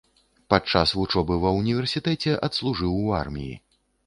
Падчас вучобы ва ўніверсітэце адслужыў у арміі.